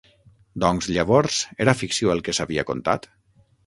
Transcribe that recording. Doncs, llavors, era ficció el què s'havia contat?